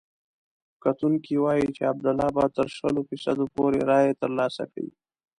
کتونکي وايي چې عبدالله به تر شلو فیصدو پورې رایې ترلاسه کړي.